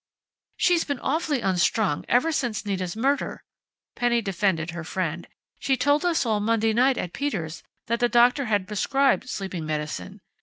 "She's been awfully unstrung ever since Nita's murder," Penny defended her friend. "She told us all Monday night at Peter's that the doctor had prescribed sleeping medicine....